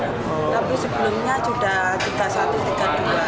tapi sebelumnya sudah tiga puluh satu tiga puluh dua